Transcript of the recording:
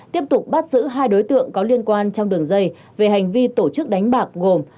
tiếp tục bắt giữ hai đối tượng có liên quan trong đường dây về hành vi tổ chức đánh bạc gồm